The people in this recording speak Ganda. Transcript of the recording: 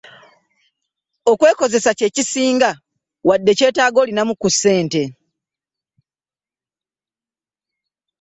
Okwekozesa kye kisinga wadde kyetaaga olinamu ku ssente.